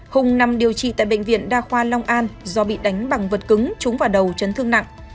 hùng nằm điều trị tại bệnh viện đa khoa long an do bị đánh bằng vật cứng trúng vào đầu chấn thương nặng